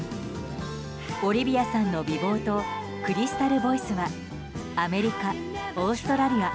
オリビアさんの美貌とクリスタルボイスはアメリカ、オーストラリア